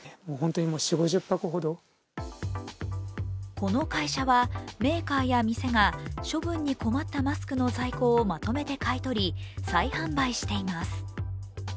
この会社は、メーカーや店が処分に困ったマスクの在庫をまとめて買い取り再販売しています。